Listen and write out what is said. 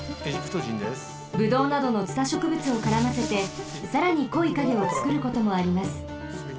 ブドウなどのツタしょくぶつをからませてさらにこいカゲをつくることもあります。